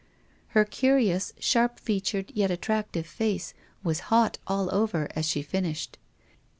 Her curious, sharp featured, yet attractive, face was hot all over as she finished.